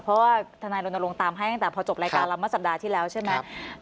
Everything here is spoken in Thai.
เพราะว่าทนายรณรงค์ตามให้ตั้งแต่พอจบรายการเราเมื่อสัปดาห์ที่แล้วใช่ไหม